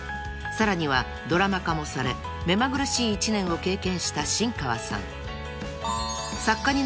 ［さらにはドラマ化もされ目まぐるしい１年を経験した新川さん］